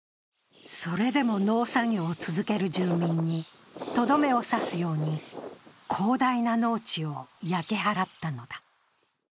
それでも農作業を続ける住民にとどめを刺すように広大な農地を焼き払ったのだ。